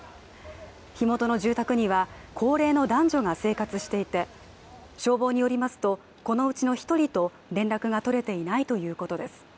火元の住宅には高齢の男女が生活していて消防によりますと、このうちの１人と連絡が取れていないということです。